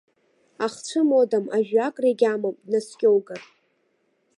Ахцәы модам, ажәҩакра егьамам, днаскьоугар.